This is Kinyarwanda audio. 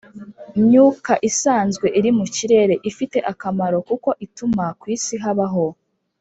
myuka isanzwe iri mu kirere, ifite akamaro kuko ituma ku isi habaho